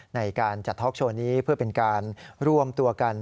ในการจัดท็อกโชว์นี้เพื่อเป็นการรวมตัวกัน